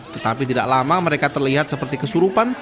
tetapi tidak lama mereka terlihat seperti kesurupan